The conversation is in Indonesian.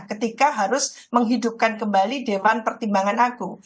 ketika harus menghidupkan kembali deman pertimbangan agung